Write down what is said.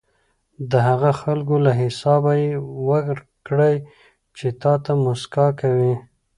د هغه خلکو له حسابه یې وکړئ چې تاته موسکا کوي.